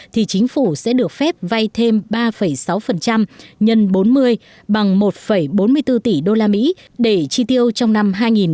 thì chính phủ sẽ được phép vay thêm ba sáu x bốn mươi bằng một bốn mươi bốn tỷ usd để chi tiêu trong năm hai nghìn hai mươi